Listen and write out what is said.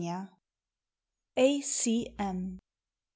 A. C. M.